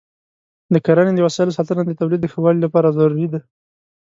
د کرنې د وسایلو ساتنه د تولید د ښه والي لپاره ضروري ده.